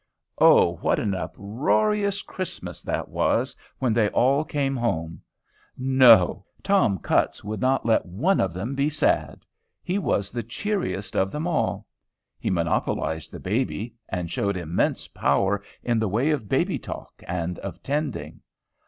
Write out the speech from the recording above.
Oh! what an uproarious Christmas that was when they all came home! No! Tom Cutts would not let one of them be sad! He was the cheeriest of them all. He monopolized the baby, and showed immense power in the way of baby talk and of tending.